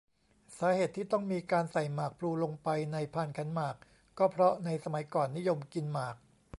สาเหตุที่ต้องมีการใส่หมากพลูลงไปในพานขันหมาก ก็เพราะในสมัยก่อนนิยมกินหมาก